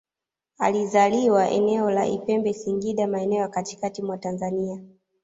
Alizaliwa eneo la Ipembe Singida maeneo ya katikati mwa Tanzania